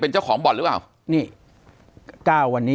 ปากกับภาคภูมิ